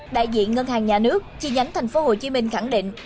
đại diện ngân hàng nhà nước chi nhánh tp hcm khẳng định